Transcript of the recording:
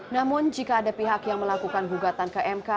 namun jika ada pihak yang melakukan gugatan ke mk